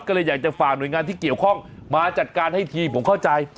ก็เลยอยากจะฝากหน่วยงานที่เกี่ยวข้องมาจัดการให้ทีผมเข้าใจ